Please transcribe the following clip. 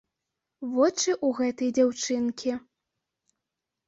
Вочы ў гэтай дзяўчынкі.